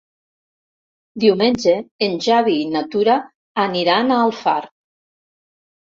Diumenge en Xavi i na Tura aniran a Alfarb.